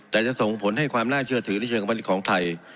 แต่จะส่งผลให้ความน่าเชื่อถือในเชิงความภาพภูมิของไทย